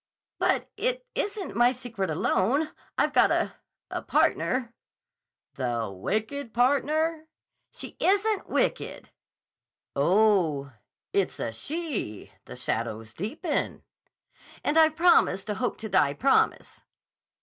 "But it isn't my secret, alone. I've got a—a partner." "The 'wicked partner'?" "She isn't wicked." "Oh, it's a she! The shadows deepen." "And I've promised a hope to die promise."